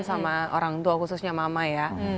sama orang tua khususnya mama ya